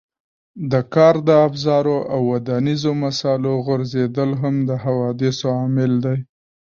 د کار د افزارو او ودانیزو مسالو غورځېدل هم د حوادثو عامل دی.